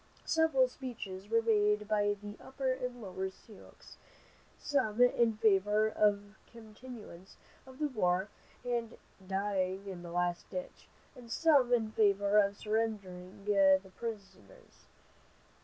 Several speeches were made by the Upper and Lower Sioux, some in favor of continuance of the war and "dying in the last ditch," and some in favor of surrendering the prisoners.